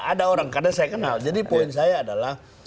ada orang karena saya kenal jadi poin saya adalah